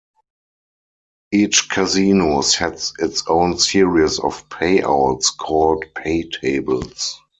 Each casino sets its own series of payouts, called "paytables".